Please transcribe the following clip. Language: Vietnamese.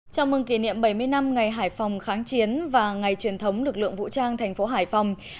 chào mừng kỷ niệm bảy mươi năm ngày hải phòng kháng chiến và ngày truyền thống lực lượng vũ trang thành phố hải phòng